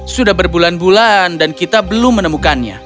sudah berbulan bulan dan kita belum menemukannya